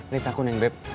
liat aku neng beb